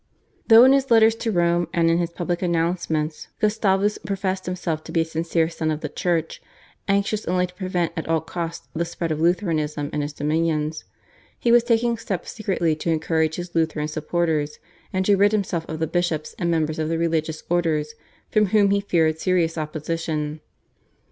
Though in his letters to Rome and in his public pronouncements Gustavus professed himself to be a sincere son of the Church, anxious only to prevent at all costs the spread of Lutheranism in his dominions, he was taking steps secretly to encourage his Lutheran supporters and to rid himself of the bishops and members of the religious orders from whom he feared serious opposition.